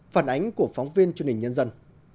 phản ánh của phóng viên chương trình nhân dân